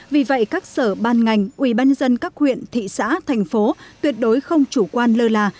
vì vậy các sở ban ngành ủy ban dân các huyện thị xã thành phố tuyệt đối không chủ quan lơ là